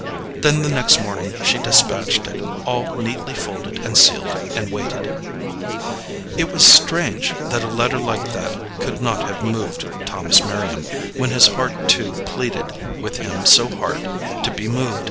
Then the next morning she despatched it, all neatly folded and sealed, and waited. It was strange that a letter like that could not have moved Thomas Merriam, when his heart too pleaded with him so hard to be moved.